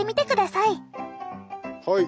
はい。